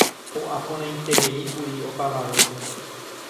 Ho'aporãitereíkuri opavavépe.